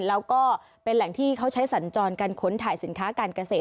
แล้วก็เป็นแหล่งที่เขาใช้สัญจรการค้นถ่ายสินค้าการเกษตร